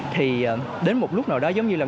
thì đến một lúc nào đó giống như là